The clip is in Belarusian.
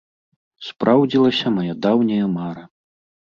Спраўдзілася мая даўняя мара.